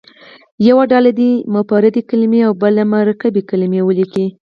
یوه ډله دې مفردې کلمې او بله مرکبې کلمې ولیکي.